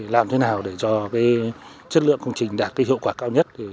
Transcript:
làm thế nào để cho cái chất lượng công trình đạt cái hiệu quả cao nhất